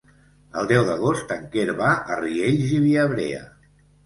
El deu d'agost en Quer va a Riells i Viabrea.